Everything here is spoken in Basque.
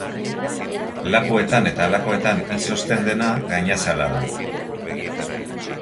Lakuetan eta halakoetan izozten dena gainazala da.